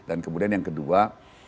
dan kemudian yang kedua